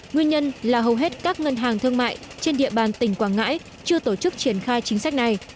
nguyên nhân là hầu hết các ngân hàng thương mại trên địa bàn tỉnh quảng ngãi chưa tổ chức triển khai chính sách này